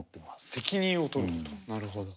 なるほど。